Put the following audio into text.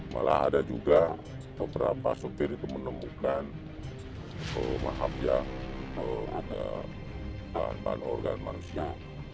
malah ada juga beberapa sopir itu menemukan mahab yang bahan bahan organ manusia